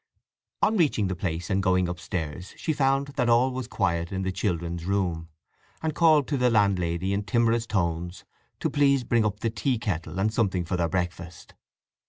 On reaching the place and going upstairs she found that all was quiet in the children's room, and called to the landlady in timorous tones to please bring up the tea kettle and something for their breakfast.